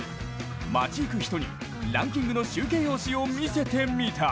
街ゆく人に、ランキングの集計用紙を見せてみた。